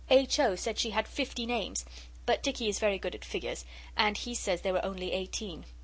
H. O. said she had fifty names, but Dicky is very good at figures, and he says there were only eighteen.